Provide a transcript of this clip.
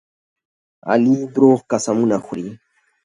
علي دروغ قسمونه خوري.